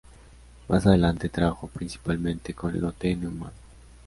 Más adelante trabajó principalmente con Lotte Neumann.